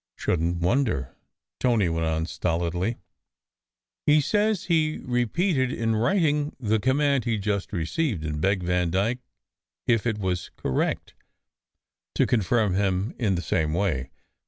"Shouldn t wonder!" Tony went on, stolidly. "He says he repeated in writing the command he d just re ceived, and begged Vandyke, if it was correct, to confirm him in the same way.